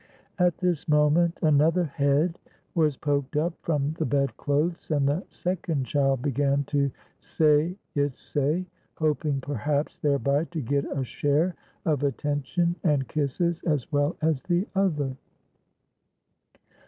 At this moment another head was poked up from the bedclothes, and the second child began to say its say, hoping, perhaps, thereby to get a share of attention and kisses as well as the other.